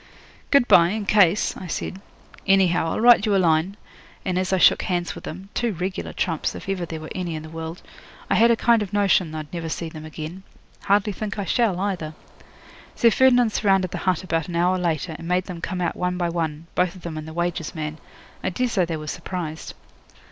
'"Good bye, in case," I said. "Anyhow, I'll write you a line," and as I shook hands with them two regular trumps, if ever there were any in the world I had a kind of notion I'd never see them again. Hardly think I shall, either. Sir Ferdinand surrounded the hut about an hour later, and made them come out one by one both of them and the wages man. I daresay they were surprised.